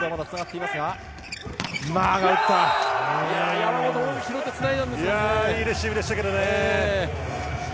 いいレシーブでしたけど。